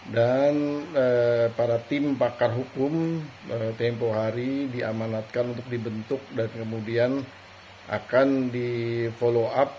dan para tim pakar hukum tempoh hari diamanatkan untuk dibentuk dan kemudian akan difollow up